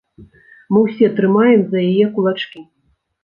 Мы ўсе трымаем за яе кулачкі!